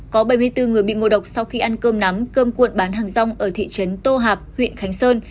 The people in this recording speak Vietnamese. có bảy mươi bốn người bị ngộ độc sau khi ăn cơm nắm cơm cuộn bán hàng rong ở thị trấn tô hạp huyện khánh sơn